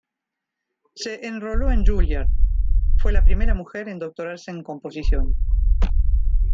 Se enroló en Juilliard, fue la primera mujer en doctorarse en composición.